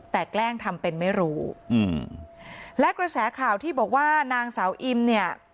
แต่แกล้งทำเป็นไม่รู้อืมและกระแสข่าวที่บอกว่านางสาวอิมเนี่ย